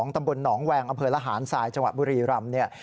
ตำบลหนองแวงอำเภอระหารทรายจังหวัดบุรีรำเนี่ย